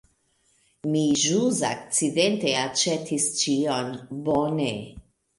Mi ĵus akcidente aĉetis ĉion! Bone.